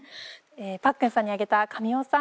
パックンさんに上げた神尾さん